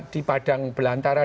di padang belantara